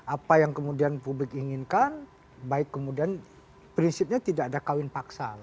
apa yang kemudian publik inginkan baik kemudian prinsipnya tidak ada kawin paksa